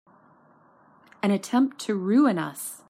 An attempt to ruin us!